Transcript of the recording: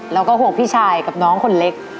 แล้วก็ห่วงพี่ชายกับน้องคนเล็ก